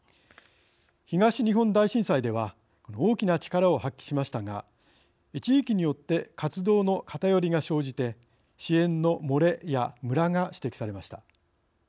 東日本大震災では大きな力を発揮しましたが地域によって活動の偏りが生じて支援のもれやむらが指摘されました。